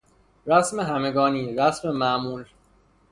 رسم همگانی، رسم معمول